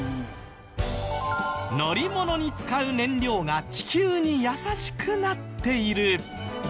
乗り物に使う燃料が地球に優しくなっている。